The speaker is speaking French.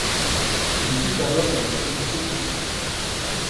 Il quitte alors la vie politique nationale.